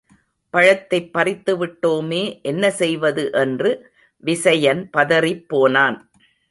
பழத்தைப் பறித்துவிட்டோமே என்ன செய்வது என்று விசயன் பதறிப்போனான்.